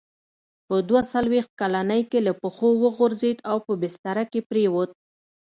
په دوه څلوېښت کلنۍ کې له پښو وغورځېد او په بستره کې پرېووت.